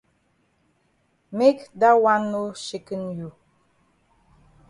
Make dat wan no shaken you.